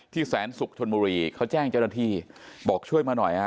แสนศุกร์ชนบุรีเขาแจ้งเจ้าหน้าที่บอกช่วยมาหน่อยฮะ